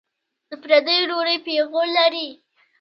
د پردیو ډوډۍ پېغور لري.